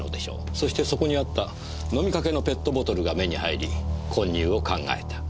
そしてそこにあった飲みかけのペットボトルが目に入り混入を考えた。